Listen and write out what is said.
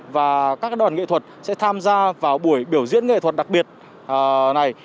và các đoàn nghệ thuật sẽ tham gia vào buổi biểu diễn nghệ thuật đặc biệt này